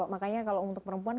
makanya kalau untuk perempuan